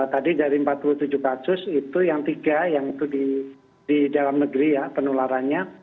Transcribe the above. tadi dari empat puluh tujuh kasus itu yang tiga yang itu di dalam negeri ya penularannya